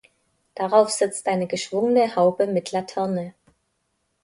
Darauf sitzt eine geschwungene Haube mit Laterne.